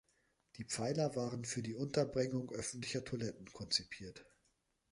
Die Pfeiler waren für die Unterbringung öffentlicher Toiletten konzipiert.